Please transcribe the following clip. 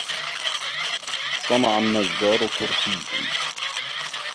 صَنْعَ النَّجَّارُ كُرْسِيًّا.